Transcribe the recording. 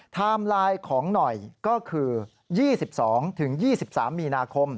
ไทม์ไลน์ของหน่อยก็คือ๒๒๒๓มีนาคม